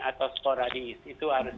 atau sporadis itu harus